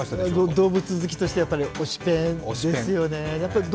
動物好きとしては、やっぱり推しペンですよね。